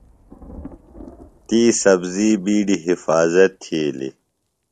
تی سبزی بِیڈیۡ حفاظت تِھیلیۡ۔